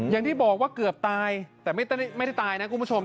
อย่างที่บอกว่าเกือบตายแต่ไม่ได้ตายนะคุณผู้ชม